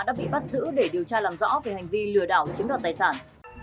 đã bị bắt giữ để điều tra làm rõ về hành vi lừa đảo chiếm đoạt tài sản